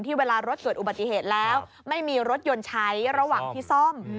เวลารถเกิดอุบัติเหตุแล้วไม่มีรถยนต์ใช้ระหว่างที่ซ่อม